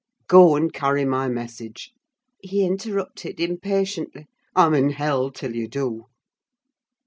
"Go and carry my message," he interrupted, impatiently. "I'm in hell till you do!"